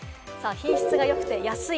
品質が良くて安い。